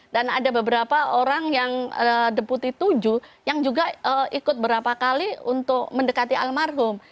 dan ada beberapa orang yang deputi vii yang juga ikut berapa kali untuk mendekati almarhum